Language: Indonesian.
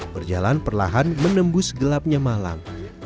berjalan perlahan menembus gelapnya malam